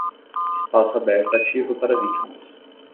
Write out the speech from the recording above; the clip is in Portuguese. Espaço aberto ativo para vítimas